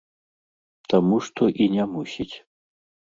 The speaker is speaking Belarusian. Таму што і не мусіць.